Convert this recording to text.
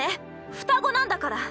双子なんだから。